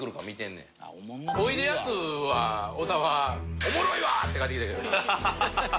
おいでやすは小田は「おもろいわ！」って返ってきたけどな。